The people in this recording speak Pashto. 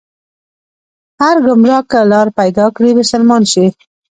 هر ګمراه که لار پيدا کړي، مسلمان شي